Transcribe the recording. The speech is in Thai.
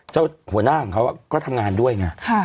เจ้าหัวหน้าของเขาก็ทำงานด้วยนะฮะ